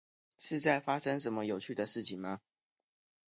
是在發生什麼有趣的事情嗎？